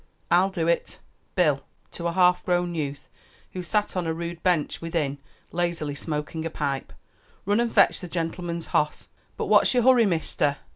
"I'll do it. Bill," to a half grown youth who sat on a rude bench within lazily smoking a pipe "run and fetch the gentleman's hoss. But what's yer hurry, mister?"